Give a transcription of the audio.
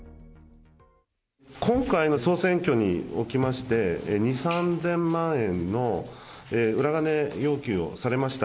今回の総選挙におきまして、２、３０００万円の裏金要求をされました。